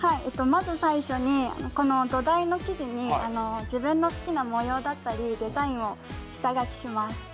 まず最初に、この土台の生地に自分の好きな模様だったりデザインを下書きします。